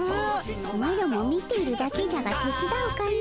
マロも見ているだけじゃがてつだうかの。